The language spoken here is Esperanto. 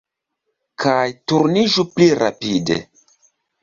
Kaj turniĝu pli rapide!